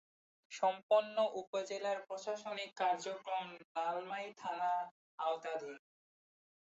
সম্পূর্ণ উপজেলার প্রশাসনিক কার্যক্রম লালমাই থানার আওতাধীন।